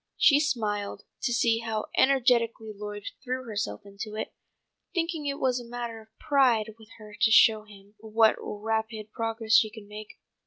She smiled to see how energetically Lloyd threw herself into it, thinking it was a matter of pride with her to show him what rapid progress she could make.